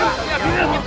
diam diam diam